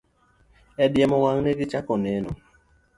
E diemo wang', ne gichako neno!